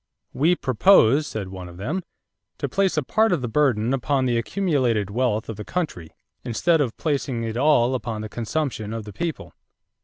"We propose," said one of them, "to place a part of the burden upon the accumulated wealth of the country instead of placing it all upon the consumption of the people."